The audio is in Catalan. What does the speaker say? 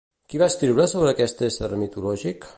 Qui va escriure sobre aquest ésser mitològic?